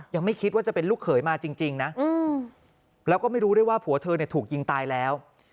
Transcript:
ยังไม่คิดว่าจะเป็นลูกเขยมาจริงนะแล้วก็ไม่รู้ด้วยว่าผัวเธอถูกยิงตายแล้ว